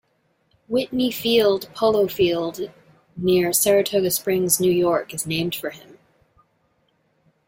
"Whitney Field" polo field near Saratoga Springs, New York is named for him.